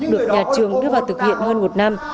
được nhà trường đưa vào thực hiện hơn một năm